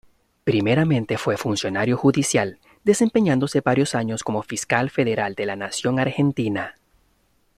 Primeramente fue funcionario judicial, desempeñándose varios años como Fiscal Federal de la Nación Argentina.